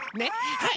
はい。